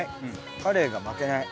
カレイが負けない。